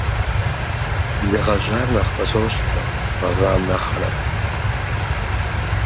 Лы гъэжьар нэхъ къызощтэ гъэвам нэхърэ.